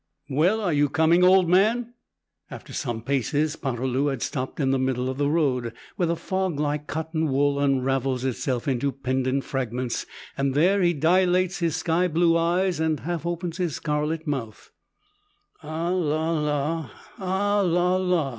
"Well, are you coming, old man?" After some paces, Poterloo has stopped in the middle of the road, where the fog like cotton wool unravels itself into pendent fragments, and there he dilates his sky blue eyes and half opens his scarlet mouth. "Ah, la, la! Ah, la, la!"